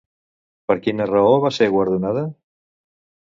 Per quina raó va ser guardonada?